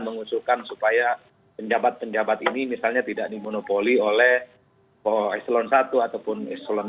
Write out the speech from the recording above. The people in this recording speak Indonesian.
mengusulkan supaya penjabat penjabat ini misalnya tidak dimonopoli oleh ekstelon satu ataupun ekstelon dua